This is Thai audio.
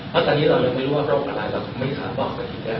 เพราะตอนนี้เรายังไม่รู้ว่าโรคอะไรเราไม่ค้าบอกกันอีกแล้ว